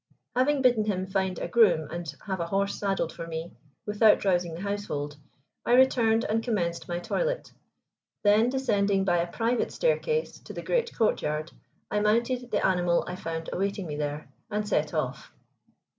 Having bidden him find a groom and have a horse saddled for me, without rousing the household, I returned and commenced my toilet. Then, descending by a private staircase to the great courtyard, I mounted the animal I found awaiting me there, and set off.